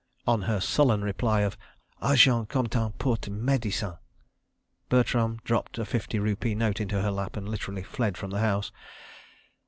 On her sullen reply of "Argent comptant porte médecine," Bertram dropped a fifty rupee note into her lap and literally fled from the house.